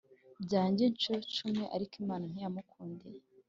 byanjye incuro cumi ariko Imana ntiyamukundiye